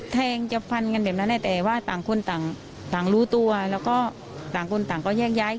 ต่างคนต่างต่างรู้ตัวแล้วก็ต่างคนต่างก็แยกแย้ง